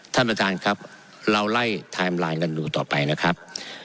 ท่านประทานครับเราไล่นั่นดูต่อไปนะครับ